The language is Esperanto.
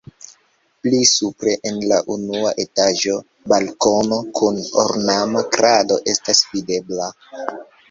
Pli supre en la unua etaĝo balkono kun ornama krado estas videbla.